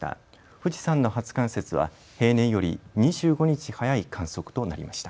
富士山の初冠雪は平年より２５日早い観測となりました。